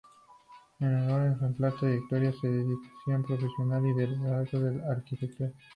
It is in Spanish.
En honor a la ejemplar trayectoria de dedicación profesional y liderazgo del Arq.